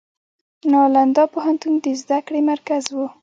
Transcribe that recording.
نالندا پوهنتون د زده کړې مرکز و.